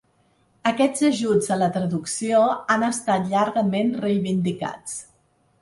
Aquests ajuts a la traducció han estat llargament reivindicats.